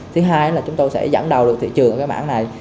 thứ hai là chúng ta sẽ dẫn đầu được thị trường ở cái mảng này